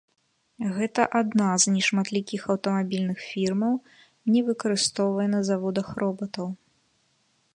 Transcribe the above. Гэта адна з нешматлікіх аўтамабільных фірмаў, не выкарыстоўвае на заводах робатаў.